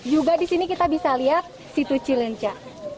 juga disini kita bisa lihat situ cilenca